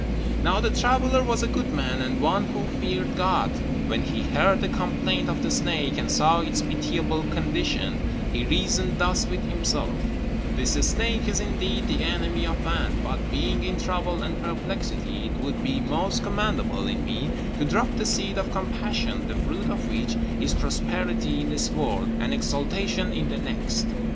Now the traveller was a good man, and one who feared God. When he heard the complaint of the snake, and saw its pitiable condition, he reasoned thus with himself: "This snake is, indeed, the enemy of man, but being in trouble and perplexity, it would be most commendable in me to drop the seed of compassion, the fruit of which is prosperity in this world, and exaltation in the next."